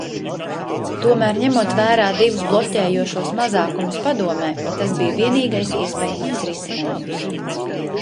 Tomēr, ņemot vērā divus bloķējošos mazākumus Padomē, tas bija vienīgais iespējamais risinājums.